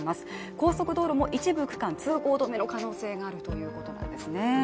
高速道路も一部区間通行止めの可能性があるということなんですね。